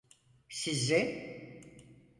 Sizi!